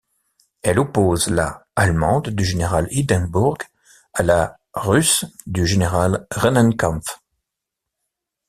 Elle oppose la allemande du général Hindenburg à la russe du général Rennenkampf.